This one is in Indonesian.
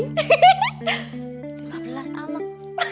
lima belas anak